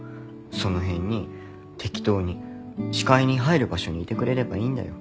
その辺に適当に視界に入る場所にいてくれればいいんだよ